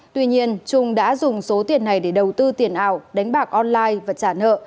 tuy nhiên trung đã dùng số tiền này để đầu tư tiền ảo đánh bạc online và trả nợ